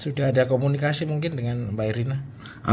sudah ada komunikasi mungkin dengan mbak erina